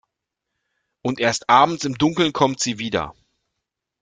Und erst abends im Dunkeln kommt sie wieder.